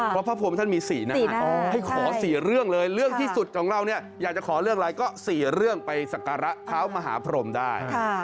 เพราะพระพรมท่านมี๔หน้าให้ขอ๔เรื่องเลยเรื่องที่สุดของเราเนี่ยอยากจะขอเรื่องอะไรก็๔เรื่องไปสักการะเท้ามหาพรมได้